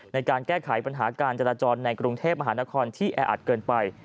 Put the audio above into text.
ในการแก้ไขปัญหาการจราจรในกรุงเทพมหานครที่แออัดเกินไป